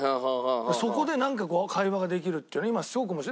そこでなんかこう会話ができるっていうの今すごく面白い。